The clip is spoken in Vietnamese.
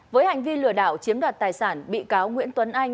với hành vi lừa đảo chiếm đoạt tài sản bị cáo nguyễn tuấn anh